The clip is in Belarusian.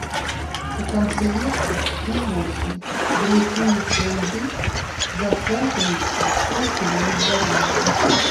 У канцы лета і ўвосень дрэйфуючыя льды захоўваюцца толькі ля ўзбярэжжа.